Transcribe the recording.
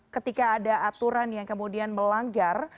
ketika ada aturan yang kemudian melanggar